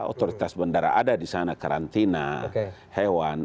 otoritas bandara ada di sana karantina hewan